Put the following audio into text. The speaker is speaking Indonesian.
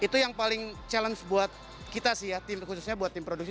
itu yang paling challenge buat kita sih ya tim khususnya buat tim produksi